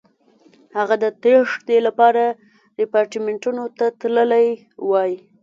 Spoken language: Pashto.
هغه د تېښتې لپاره ریپارټیمنټو ته تللی وای.